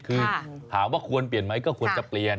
คือถามว่าควรเปลี่ยนไหมก็ควรจะเปลี่ยน